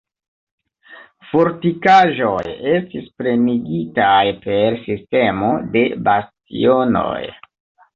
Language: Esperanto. Fortikaĵoj estis plenigitaj per sistemo de bastionoj.